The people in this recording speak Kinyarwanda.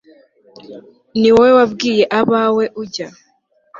ni wowe wabwiye abawe ujya